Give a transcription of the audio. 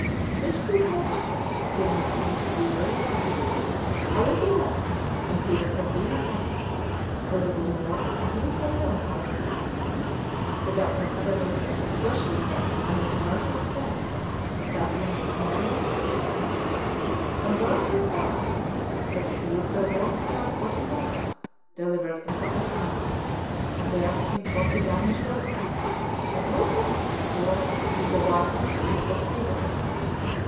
This chief magistrate did not seem to be very learned; a little less and he would have been an ass, a little more and he would have known how to read. The doctor, however, questioned him upon the commercial affairs, the customs and manners of the Esquimaux, and learnt by signs that seals were worth about 40 pounds delivered in Copenhagen, a bearskin forty Danish dollars, a blue foxskin four, and a white one two or three dollars.